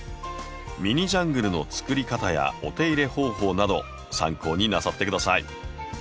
ミニジャングルのつくり方やお手入れ方法など参考になさって下さい。